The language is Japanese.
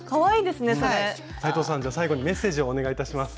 斉藤さんじゃ最後にメッセージをお願いいたします。